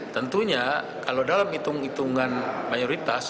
tentunya kalau dalam hitung hitungan mayoritas